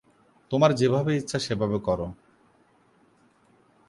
তোমার যেভাবে ইচ্ছা সেভাবে কর।